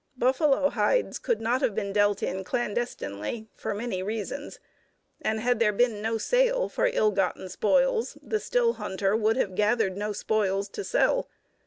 Buffalo hides could not have been dealt in clandestinely, for many reasons, and had there been no sale for ill gotten spoils the still hunter would have gathered no spoils to sell.